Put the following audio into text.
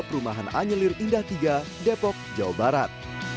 perumahan anyelir indah tiga depok jawa barat